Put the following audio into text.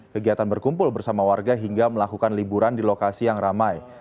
kegiatan berkumpul bersama warga hingga melakukan liburan di lokasi yang ramai